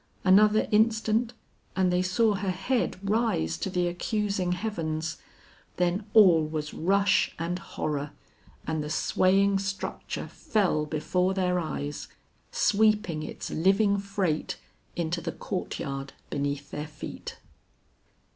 Another instant and they saw her head rise to the accusing heavens, then all was rush and horror, and the swaying structure fell before their eyes, sweeping its living freight into the courtyard beneath their feet.